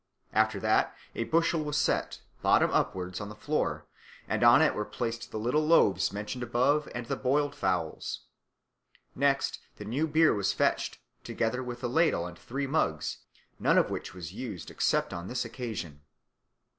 After that, a bushel was set, bottom upwards, on the floor, and on it were placed the little loaves mentioned above and the boiled fowls. Next the new beer was fetched, together with a ladle and three mugs, none of which was used except on this occasion.